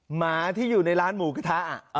หมาที่อยู่ในร้านหมูกระทะ